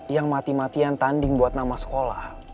yang mati matian tanding buat nama sekolah